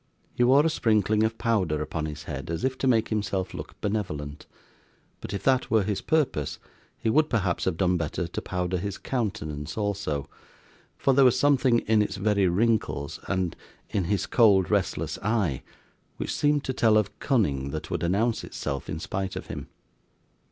He wore a sprinkling of powder upon his head, as if to make himself look benevolent; but if that were his purpose, he would perhaps have done better to powder his countenance also, for there was something in its very wrinkles, and in his cold restless eye, which seemed to tell of cunning that would announce itself in spite of him.